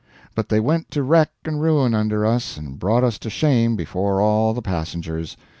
But they went to wreck and ruin under us and brought us to shame before all the passengers.